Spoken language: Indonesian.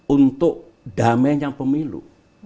untuk damainya pemilu